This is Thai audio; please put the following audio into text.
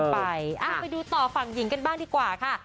ไปดูต่อฝั่งหญิงกันบ้างดีกว่าค่ะ